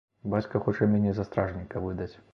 Бацька хоча мяне за стражніка выдаць.